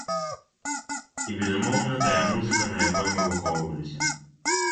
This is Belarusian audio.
І, безумоўна, тая музыка, на якой мы выхоўваліся.